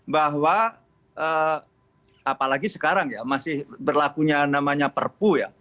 bahwa apalagi sekarang ya masih berlakunya namanya perpu ya